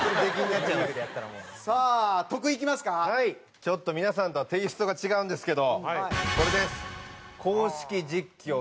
ちょっと皆さんとはテイストが違うんですけどこれです。